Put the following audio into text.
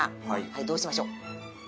はいどうしましょう？